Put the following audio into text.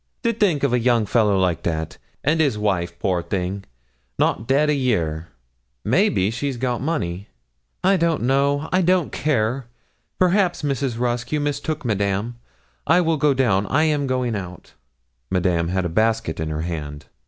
'To think of a young fellow like that, and his wife, poor thing, not dead a year maybe she's got money?' 'I don't know I don't care perhaps, Mrs. Rusk, you mistook Madame. I will go down; I am going out.' Madame had a basket in her hand.